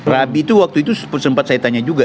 rabi itu waktu itu sempat saya tanya juga